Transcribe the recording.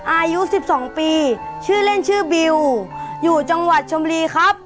อายุ๑๒ปีชื่อเล่นชื่อบิวอยู่จังหวัดชมบุรีครับ